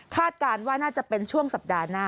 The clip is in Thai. การว่าน่าจะเป็นช่วงสัปดาห์หน้า